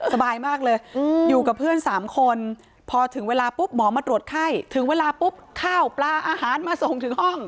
สบายมากเลยอยู่กับเพื่อน๓คนพอถึงเวลาปุ๊บหมอมาตรวจไข้ถึงเวลาปุ๊บข้าวปลาอาหารมาส่งถึงห้อง